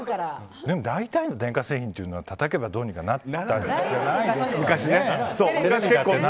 でも大体の電化製品ってたたけばどうにかなったり。